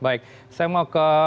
baik saya mau ke